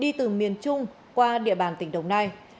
đi từ miền trung qua địa bàn tỉnh đồng nai